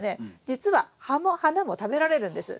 実は葉も花も食べられるんです。